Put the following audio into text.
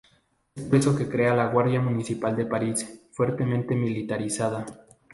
Es por eso que crea la Guardia Municipal de París, fuertemente militarizada.